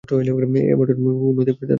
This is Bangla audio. এভারটনের উন্নতি তাদের টাকাতেই হচ্ছে।